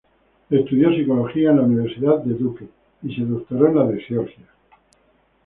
Estudió psicología en la Universidad de Duke y se doctoró en la de Georgia.